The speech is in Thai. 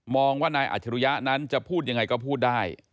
ว่านายอัจฉริยะนั้นจะพูดยังไงก็พูดได้